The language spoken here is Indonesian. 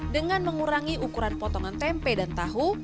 dengan mengurangi ukuran potongan tempe dan tahu